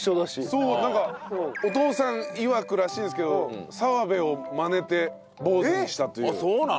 そうなんかお父さんいわくらしいんですけど澤部をマネて坊主にしたという。